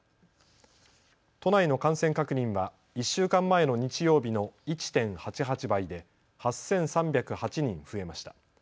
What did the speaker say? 都内の感染確認は１週間前の日曜日の１．８８倍で８３０８人増えました。